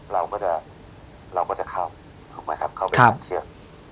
เราก็จะเราก็จะเข้าถูกไหมครับเขาก็จะเชื่อครับ